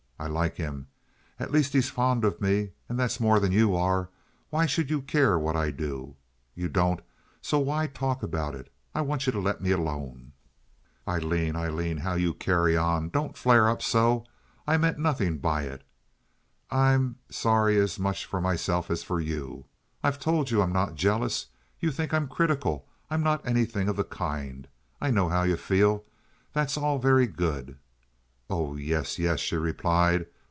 I like him. At least he's fond of me, and that's more than you are. Why should you care what I do? You don't, so why talk about it? I want you to let me alone." "Aileen, Aileen, how you carry on! Don't flare up so. I meant nothing by it. I'm sorry as much for myself as for you. I've told you I'm not jealous. You think I'm critical. I'm not anything of the kind. I know how you feel. That's all very good." "Oh yes, yes," she replied.